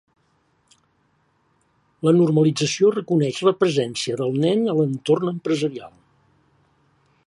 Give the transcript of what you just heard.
La normalització reconeix la presència del nen a l'entorn empresarial.